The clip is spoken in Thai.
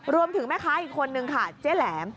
รวมถึงแม่ค้าอีกคนหนึ่งค่ะเจ๊แหลม